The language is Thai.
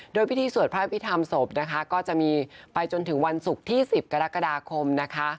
โดยพิธีสวดพระอภิษฐรรมศพนะคะก็จะมีไปจนถึงวันศุกร์ที่๑๐กรกฎาคมนะคะ